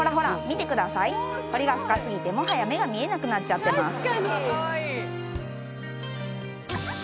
見てください彫りが深すぎてもはや目が見えなくなっちゃってます